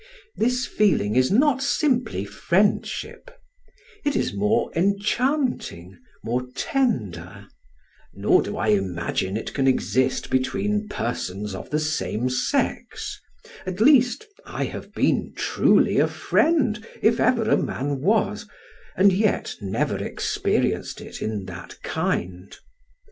This feeling is not simply friendship; it is more enchanting, more tender; nor do I imagine it can exist between persons of the same sex; at least I have been truly a friend, if ever a man was, and yet never experienced it in that kind.